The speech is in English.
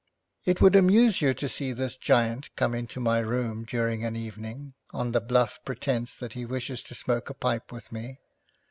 It would amuse you to see this giant come into my room during an evening, on the bluff pretence that he wishes to smoke a pipe with me.